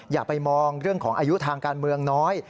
อย่าไปมองเรื่องของอายุทางการเมืองน้อย